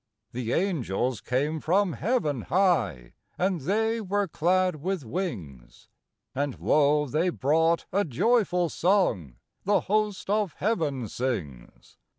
The angels came from heaven high, And they were clad with wings; And lo, they brought a joyful song The host of heaven sings.